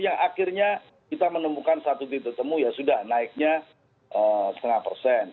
yang akhirnya kita menemukan satu titik temu ya sudah naiknya setengah persen